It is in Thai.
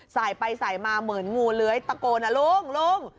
สายไปสายมาเหมือนงูเลื้อยตะโกนนะลุงลุง